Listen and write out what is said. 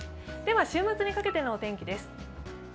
では週末にかけてのお天気です。